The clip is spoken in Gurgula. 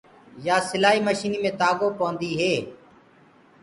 يآ سِلآئي مشني مي تآگو پوندي هي۔